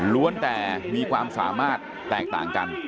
แต่มีความสามารถแตกต่างกัน